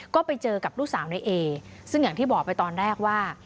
ก็ไปเจอกับลูกสาวในเอซึ่งอย่างที่บอกไปตอนแรกว่า